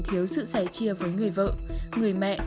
thiếu sự sẻ chia với người vợ người mẹ